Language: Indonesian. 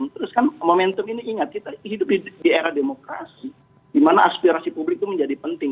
terus kan momentum ini ingat kita hidup di era demokrasi di mana aspirasi publik itu menjadi penting